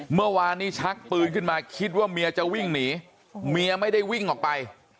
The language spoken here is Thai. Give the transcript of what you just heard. เมื่อวานนี้ชักปืนขึ้นมาคิดว่าเมียจะวิ่งหนีเมียไม่ได้วิ่งออกไป